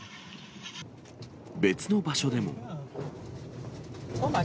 別の場所でも。